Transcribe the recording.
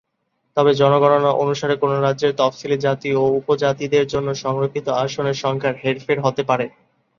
তবে জনগণনা অনুসারে কোনো রাজ্যের তফসিলি জাতি ও উপজাতিদের জন্য সংরক্ষিত আসনের সংখ্যার হেরফের হতে পারে।